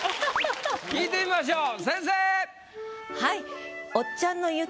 聞いてみましょう先生！